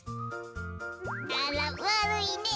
あらわるいね。